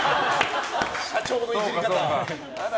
社長のイジり方！